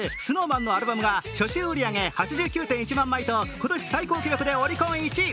ＳｎｏｗＭａｎのアルバムが初週売り上げ８９．１万枚と今年最高記録でオリコン１位。